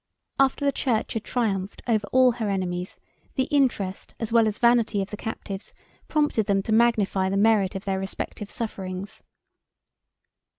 181 After the church had triumphed over all her enemies, the interest as well as vanity of the captives prompted them to magnify the merit of their respective sufferings.